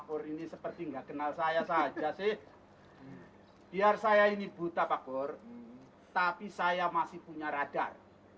bor ini seperti nggak kenal saya saja sih biar saya ini buta pak bor tapi saya masih punya radar